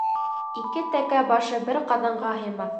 Ике тәкә башы бер ҡаҙанға һыймаҫ.